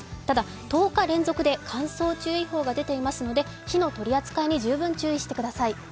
ただ、１０日連続で乾燥注意報が出ておりますので火の取り扱いに十分注意してください。